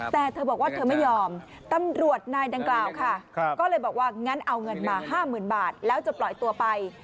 แต่เธอบอกว่าเธอไม่ยอมตำรวจนายดังกล่าวค่ะก็เลยบอกว่างั้นเอาเงินมา๕๐๐๐บาทแล้วจะปล่อยตัวไป